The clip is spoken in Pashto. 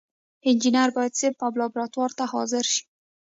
انجینر باید صنف او لابراتوار ته حاضر شي.